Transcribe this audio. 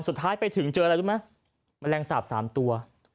สุดท้ายไปถึงเจออะไรรู้ไหมแมลงสาป๓ตัว